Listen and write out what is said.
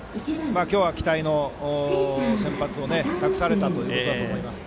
今日は期待の先発を託されたということだと思います。